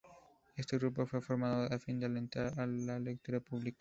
Este grupo fue formado a fin de alentar a la lectura pública.